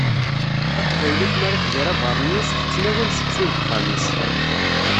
Taqbaylit mi ara tger abernus, tettnawal seksu deg uxxam-is.